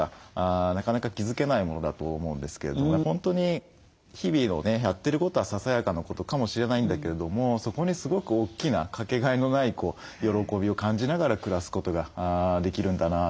なかなか気付けないものだと思うんですけれども本当に日々のねやってることはささやかなことかもしれないんだけれどもそこにすごく大きなかけがえのない喜びを感じながら暮らすことができるんだな。